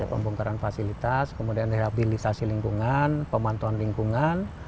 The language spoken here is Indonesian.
pembongkaran fasilitas kemudian rehabilitasi lingkungan pemantauan lingkungan